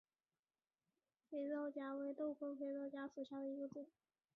肥皂荚为豆科肥皂荚属下的一个种。